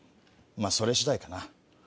まぁそれ次第かな。